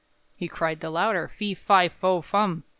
He cried the louder, "_Fe, fi, fo, fum!